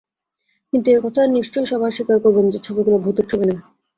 কিন্তু এ কথা নিশ্চয়ই সবাই স্বীকার করবেন যে ছবিগুলো ভূতের ছবি নয়।